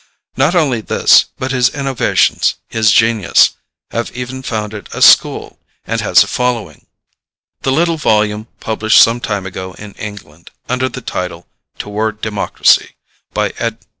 Not only this, but his innovations, his genius, have even founded a school, and has a following. The little volume published some time ago in England, under the title "Toward Democracy," by Ed.